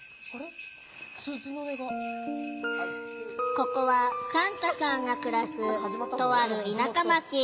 ここはサンタさんが暮らす、とある田舎町。